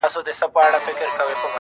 o زموږ پر زخمونو یې همېش زهرپاشي کړې ده.